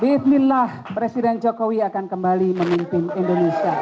bismillah presiden jokowi akan kembali memimpin indonesia